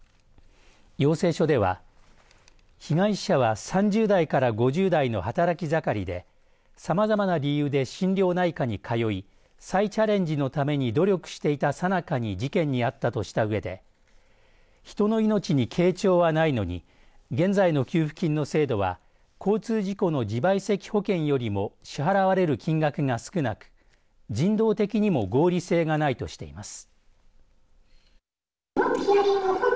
要請書では被害者は３０代から５０代の働き盛りでさまざまな理由で心療内科に通い再チャレンジのために努力していたさなかに事件にあったとしたうえで人の命に軽重はないのに現在の給付金の制度は交通事故の自賠責保険よりも支払われる金額が少なく人道的にも合理性がないとしています。